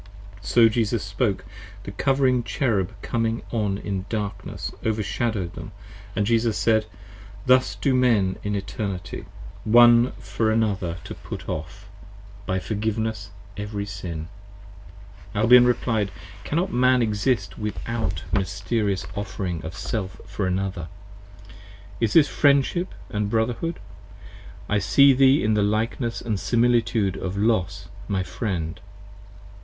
So Jesus spoke: the Covering Cherub coming on in darkness Overshadow'd them & Jesus said. Thus do Men in Eternity, One for another to put off, by forgiveness, every sin. 20 Albion reply'd. Cannot Man exist without Mysterious 117 Offering of Self for Another: is this Friendship & Brotherhood? I see thee in the likeness & similitude of Los my Friend.